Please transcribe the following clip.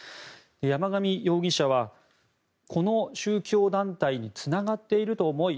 山上容疑者は、この宗教団体につながっていると思い